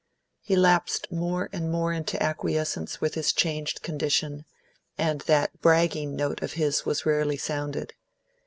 He lapsed more and more into acquiescence with his changed condition, and that bragging note of his was rarely sounded.